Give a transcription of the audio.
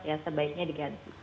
ya sebaiknya diganti